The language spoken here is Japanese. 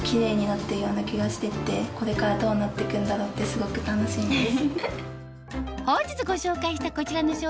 これからどうなって行くんだろうってすごく楽しみです。